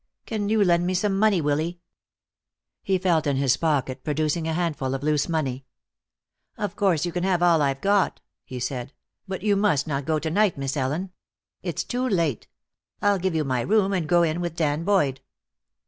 Can you lend me some money, Willy?" He felt in his pocket, producing a handful of loose money. "Of course you can have all I've got," he said. "But you must not go to night, Miss Ellen. It's too late. I'll give you my room and go in with Dan Boyd."